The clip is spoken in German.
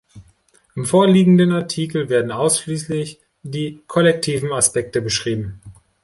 Im vorliegenden Artikel werden ausschließlich die kollektiven Aspekte beschrieben.